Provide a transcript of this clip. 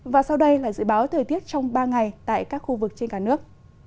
và sau đây là dự báo thời tiết trong ba ngày tại các khu vực trên cả nước